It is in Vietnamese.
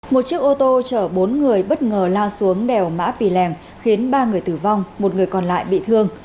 một chiếc ô tô chở bốn người bất ngờ lao xuống đèo mã pì lèng khiến ba người tử vong một người còn lại bị thương